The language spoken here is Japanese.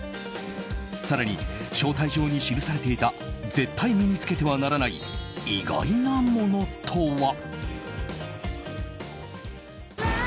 更に、招待状に記されていた絶対身に着けてはならない意外なものとは。